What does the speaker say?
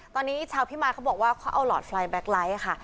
ตอนนี้ชาวพิมายเขาบอกว่าเขาเอาหลอดไฟแบ็คไลท์ค่ะ